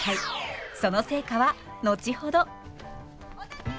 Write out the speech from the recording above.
その成果は後ほど。